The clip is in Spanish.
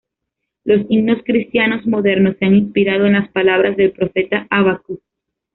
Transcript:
Los himnos cristianos modernos se han inspirado en las palabras del profeta Habacuc.